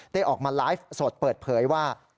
ได้ออกมาไลฟ์สดเปิดเผยว่า